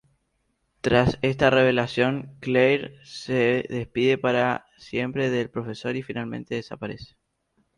Tras esta revelación, Claire se despide para siempre del profesor y finalmente desaparece.